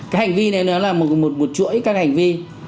cái hành vi này nó là một chuỗi các hành vi